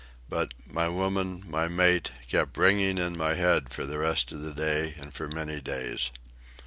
But "my woman, my mate" kept ringing in my head for the rest of the day and for many days.